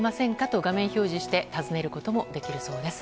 と画面表示して尋ねることもできるそうです。